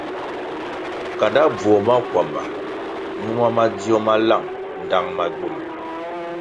Kanda bvuo makwamba numa madzio ma lang ndtang magywul.